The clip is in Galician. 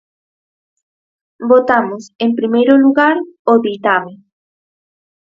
Votamos, en primeiro lugar, o ditame.